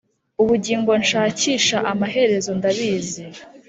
ubugingo nshakisha amaherezo ndabizi.